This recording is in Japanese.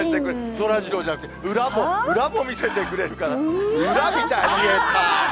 そらジローじゃなくて、裏も見せてくれるかな、見えた。